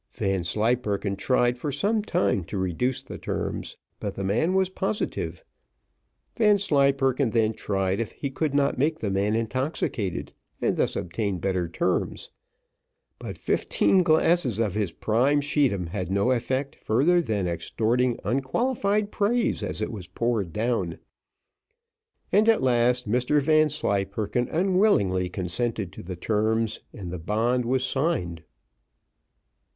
Vanslyperken tried for some time to reduce the terms, but the man was positive. Vanslyperken then tried if he could not make the man intoxicated, and thus obtain better terms; but fifteen glasses of his prime scheedam had no effect further than extorting unqualified praise as it was poured down, and at last Mr Vanslyperken unwillingly consented to the terms, and the bond was signed.